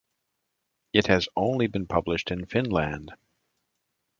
It has only been published in Finland.